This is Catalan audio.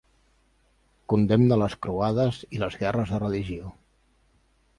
Condemna les Croades i les guerres de religió.